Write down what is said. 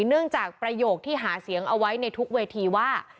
เนื่องจากประโยคที่หาเสียงเอาไว้ในทุกเวทีว่า